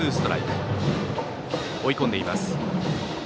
追い込んでいます。